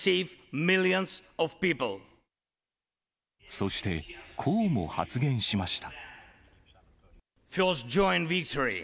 そして、こうも発言しました。